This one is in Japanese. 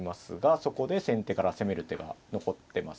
そこで先手から攻める手が残ってますので。